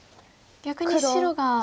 逆に白が。